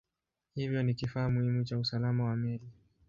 Hivyo ni kifaa muhimu cha usalama wa meli.